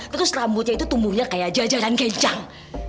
terus rambutnya itu tumbuhnya kayak jajanan kencang